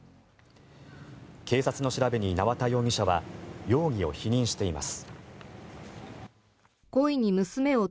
警察の調べに縄田容疑者は容疑を否認しています。